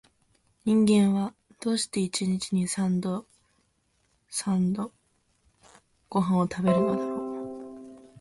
人間は、どうして一日に三度々々ごはんを食べるのだろう